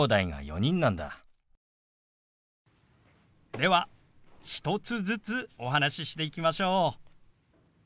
では１つずつお話ししていきましょう。